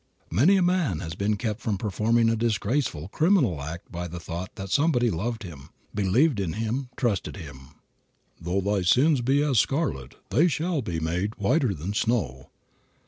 Many a man has been kept from performing a disgraceful, a criminal act by the thought that somebody loved him, believed in him, trusted him. "Though thy sins be as scarlet they shall be made whiter than snow."